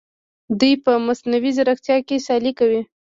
دوی په مصنوعي ځیرکتیا کې سیالي کوي.